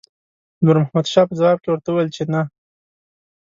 نور محمد شاه په ځواب کې ورته وویل چې نه.